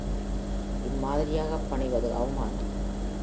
அம்மாதிரியாகப் பணிவது அவமானம்.